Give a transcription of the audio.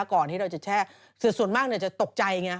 ก่อนที่เราจะแช่ส่วนมากจะตกใจไง